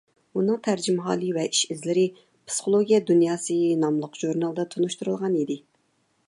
ئۇنىڭ تەرجىمىھالى ۋە ئىش-ئىزلىرى «پسىخولوگىيە دۇنياسى» ناملىق ژۇرنالدا تونۇشتۇرۇلغان ئىدى.